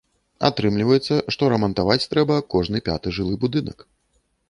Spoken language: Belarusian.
Атрымліваецца, што рамантаваць трэба кожны пяты жылы будынак.